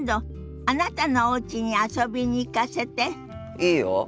いいよ。